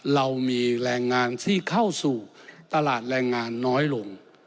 เรามีแรงงานที่เข้าสู่ตลาดแรงงานน้อยลง